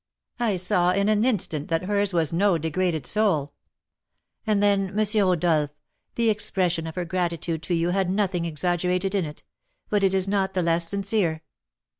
I saw in an instant that hers was no degraded soul. And then, M. Rodolph, the expression of her gratitude to you had nothing exaggerated in it; but it is not the less sincere.